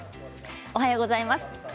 おはようございます。